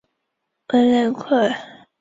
圣谢尔达布扎克。